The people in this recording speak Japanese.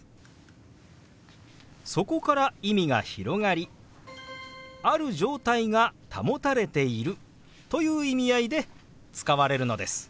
そこから意味が広がりある状態が保たれているという意味合いで使われるのです。